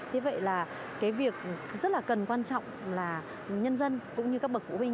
thế vậy là cái việc rất là cần quan trọng là nhân dân cũng như các bậc phụ huynh